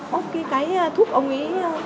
bóc cái thuốc ông ấy